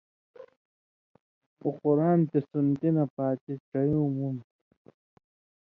اُو قران تے سنتی نہ پاتی ڇیؤں مُون٘ڈ تُھو